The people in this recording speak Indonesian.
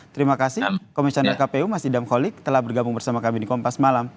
terima kasih komisioner kpu mas idam holik telah bergabung bersama kami di kompas malam